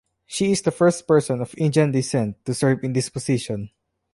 She is the first person of Indian descent to serve in this position.